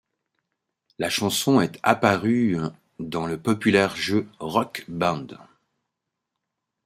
La chanson est apparue dans le populaire jeu Rock Band.